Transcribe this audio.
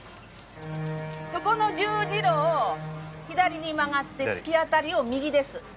そこの十字路を左に曲がって突き当たりを右です。